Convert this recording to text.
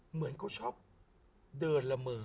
เหมือนเขาชอบเดินละเมอ